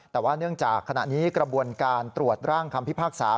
แต่ว่าเนื่องจากขณะนี้กระบวนการตรวจร่างคำพิพากษา